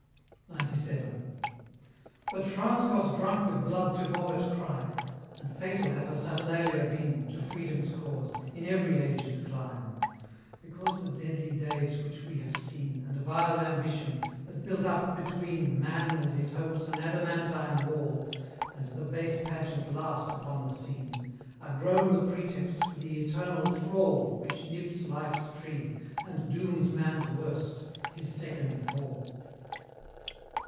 XCVII. But France got drunk with blood to vomit crime, And fatal have her Saturnalia been To Freedom's cause, in every age and clime; Because the deadly days which we have seen, And vile Ambition, that built up between Man and his hopes an adamantine wall, And the base pageant last upon the scene, Are grown the pretext for the eternal thrall Which nips Life's tree, and dooms man's worst his second fall.